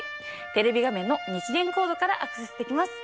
テレビ画面の二次元コードからアクセスできます。